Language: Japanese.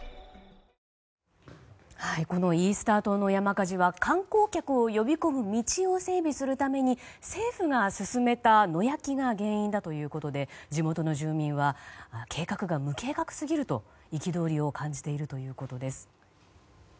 このイースター島の山火事は観光客を呼び込む道を整備するために政府が進めた野焼きが原因ということで地元の住民は計画が無計画すぎると憤りを感じているということです。